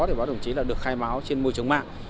thì báo đồng chí là được khai báo trên môi trường mạng